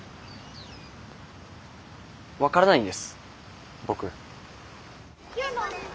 分からないんです僕。